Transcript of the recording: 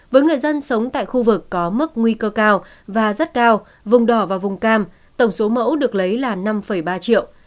với người dân sống tại khu vực có mức nguy cơ cao và rất cao vùng đỏ và vùng cam tổng số mẫu được lấy là năm ba triệu